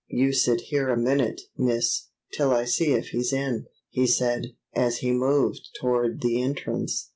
"You sit here a minute, miss, till I see if he's in," he said, as he moved toward the entrance.